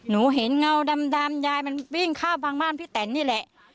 เห็นเงาดำยายมันวิ่งข้ามบางบ้านพี่แตนนี่แหละ